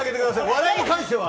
笑いに関しては。